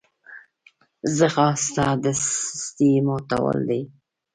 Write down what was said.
ځغاسته د سستۍ ماتول دي